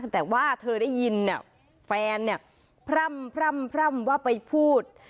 แต่ว่าเธอได้ยินเนี่ยแฟนเนี่ยพร่ำว่าไปพูด